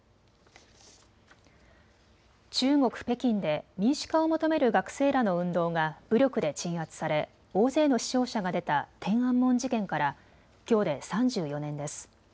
中国・北京で民主化を求める学生らの運動が武力で鎮圧され大勢の死傷者が出た天安門事件からきょうで３４年です。